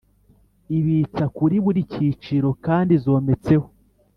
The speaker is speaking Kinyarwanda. ibitsa kuri buri cyiciro kandi zometseho